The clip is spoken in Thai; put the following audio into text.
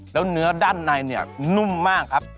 แล้วเนื้อด้านในเนี่ยนุ่มมากครับ